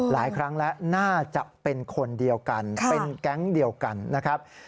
หลายครั้งแล้วน่าจะเป็นคนเดียวกันเป็นแก๊งเดียวกันนะครับ